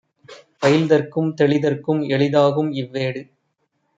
பயில்தற்கும் தெளிதற்கும் எளிதாகும் இவ்வேடு